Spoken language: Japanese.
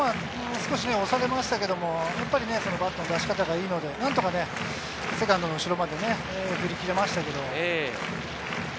少し押されましたけど、バットの出し方がいいので何とかセカンドの後ろまでね、振り切れましたけど。